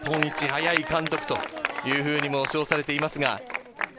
速い監督というふうに称されていますが。